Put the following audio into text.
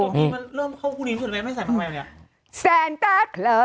มันเริ่มเข้าผู้นิดหนึ่งไม่ใส่มากมายแบบเนี้ย